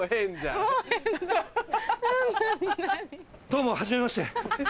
どうもはじめまして。